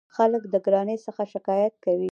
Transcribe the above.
خلک د ګرانۍ څخه شکایت کوي.